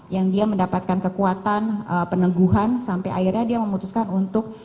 yang dia mendapatkan kekuatan peneguhan sampai akhirnya dia memutuskan untuk